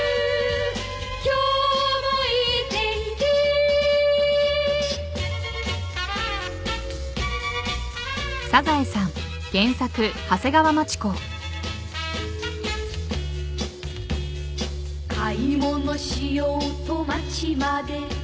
「今日もいい天気」「買い物しようと街まで」